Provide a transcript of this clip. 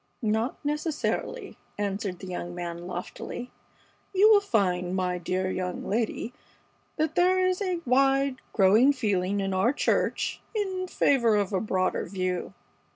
"Not necessarily," answered the young man, loftily. "You will find, my dear young lady, that there is a wide, growing feeling in our church in favor of a broader view.